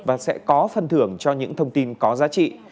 và sẽ có phân thưởng cho những thông tin có giá trị